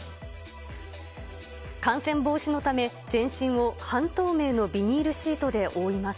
感染防止のため、全身を半透明のビニールシートで覆います。